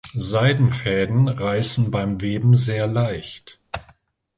Seidenfäden reißen beim Weben sehr leicht.